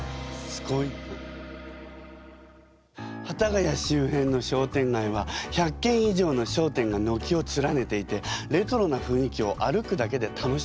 幡ヶ谷周辺の商店街は１００けん以上の商店がのきを連ねていてレトロなふんいきを歩くだけで楽しめるの。